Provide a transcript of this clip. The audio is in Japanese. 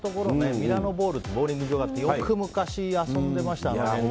ミラノホールっていうボウリング場があってよく昔遊んでましたね。